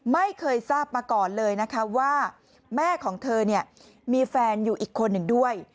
ไม่เคยทราบมาก่อนเลยนะคะว่าแม่ของเธอมีแฟนอยู่อีกคนหนึ่งด้วย